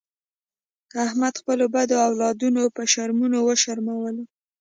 احمد خپلو بدو اولادونو په شرمونو و شرمولو.